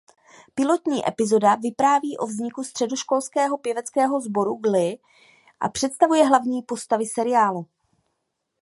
Pilotní epizoda vypráví o vzniku středoškolského pěveckého sboru "Glee" a představuje hlavní postavy seriálu.